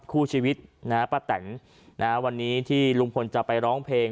คู่ชีวิตนะฮะป้าแตนวันนี้ที่ลุงพลจะไปร้องเพลง